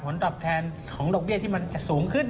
ตอบแทนของดอกเบี้ยที่มันจะสูงขึ้น